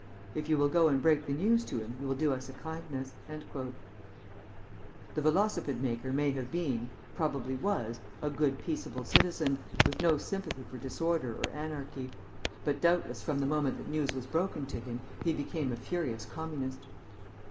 If you will go and break the news to him, you will do us a kindness.'" The velocipede maker may have been probably was a good, peaceable citizen, with no sympathy for disorder or anarchy; but doubtless from the moment that news was broken to him, he became a furious Communist.